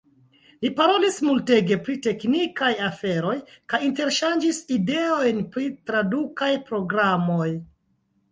Ni parolis multege pri teknikaj aferoj kaj interŝanĝis ideojn pri tradukaj programoj.